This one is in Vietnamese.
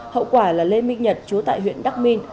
hậu quả là lê minh nhật chú tại huyện đắc minh